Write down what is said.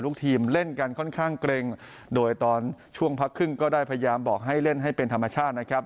ลูกทีมเล่นกันค่อนข้างเกร็งโดยตอนช่วงพักครึ่งก็ได้พยายามบอกให้เล่นให้เป็นธรรมชาตินะครับ